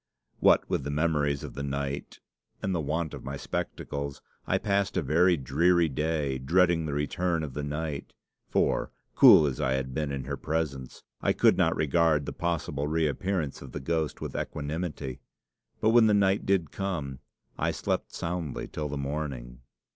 What with the memories of the night and the want of my spectacles, I passed a very dreary day, dreading the return of the night, for, cool as I had been in her presence, I could not regard the possible reappearance of the ghost with equanimity. But when the night did come, I slept soundly till the morning.